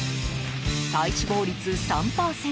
体脂肪率３％